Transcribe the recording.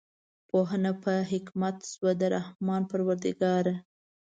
پوهه په حکمت شوه د رحمان پروردګار